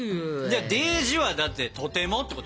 でーじはだって「とても」ってことでしょ？